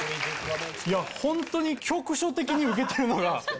いやホントに局所的にウケてるのが。